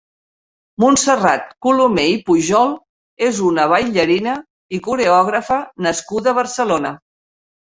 Montserrat Colomé i Pujol és una baillarina i coreògrafa nascuda a Barcelona.